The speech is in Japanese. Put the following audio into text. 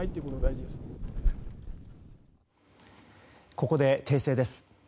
ここで訂正です。